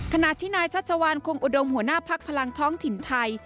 ขณะที่นายชัชวานคงอุดมหัวหน้าพักพลังท้องถิ่นไทย